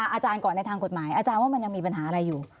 อาจารย์ก่อนในทางกฎหมายอาจารย์ว่ามันยังมีปัญหาอะไรอยู่